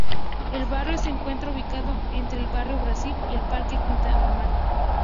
El barrio se encuentra ubicado entre el Barrio Brasil y el Parque Quinta Normal.